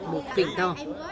một phỉnh to